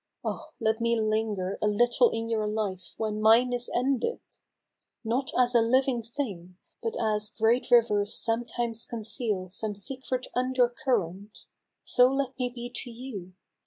Oh ! let me linger A little in your life when mine is ended ! Not as a living thing, but as great rivers Sometimes conceal some secret undercurrent. So let me be to you.